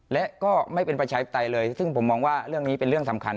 และก็ไม่เป็นประชาธิปไตยเลยซึ่งผมมองว่าเรื่องนี้เป็นเรื่องสำคัญ